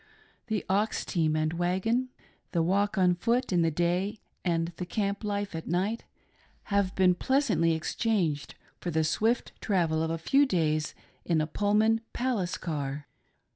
The ox team and wagon, the walk on foot in the day and the ■camp life at night have been pleasantly exchanged for the swift travel of a few days in a Pullman palace car.